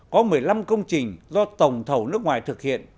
có một mươi năm công trình do tổng thầu nước ngoài thực hiện